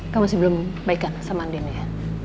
kamu masih belum baikan sama andi ya